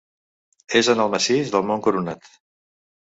És en el massís del Mont Coronat.